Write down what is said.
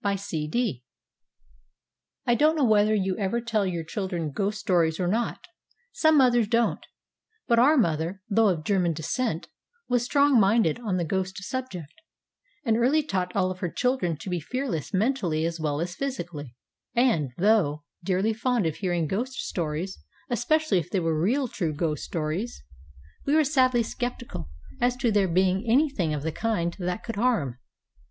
BY C. D. I donŌĆÖt know whether you ever tell your children ghost stories or not; some mothers donŌĆÖt, but our mother, though of German descent, was strong minded on the ghost subject, and early taught all of her children to be fearless mentally as well as physically, and, though dearly fond of hearing ghost stories, especially if they were real true ghosts, we were sadly skeptical as to their being anything of the kind that could harm.